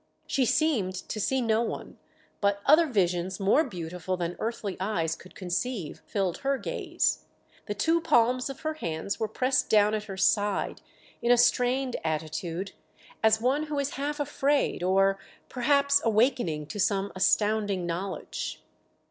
She seemed to see no one; but other visions more beautiful than earthly eyes could conceive filled her gaze. The two palms of her hands were pressed down at her side in a strained attitude, as one who is half afraid, or perhaps awakening to some astounding knowledge.